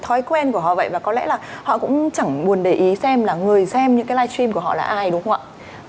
thói quen của họ vậy và có lẽ là họ cũng chẳng muốn để ý xem là người xem những cái live stream của họ là ai đúng không ạ